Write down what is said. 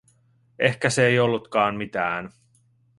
Ehkä se ei ollutkaan mitään.